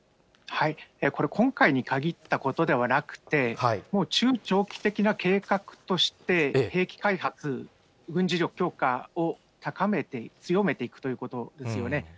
これ、今回に限ったことではなくて、もう中長期的な計画として兵器開発、軍事力強化を高めて、強めていくということですよね。